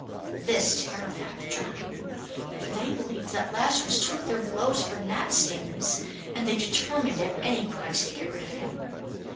This terrified the Draken, for they believed that Lazarus took their blows for gnat stings, and they determined at any price to get rid of him.